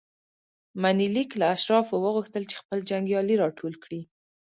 منیلیک له اشرافو وغوښتل چې خپل جنګیالي راټول کړي.